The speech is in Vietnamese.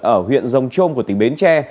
ở huyện rồng trôm của tỉnh bến tre